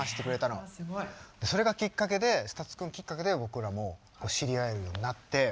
それがきっかけでＳＴＵＴＳ君きっかけで僕らも知り合えるようになって。